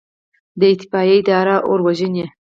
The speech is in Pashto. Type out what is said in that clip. د اطفائیې اداره اور وژني